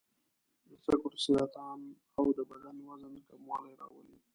د سږو سرطان او د بدن وزن کموالی راولي.